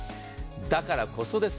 だからこそです。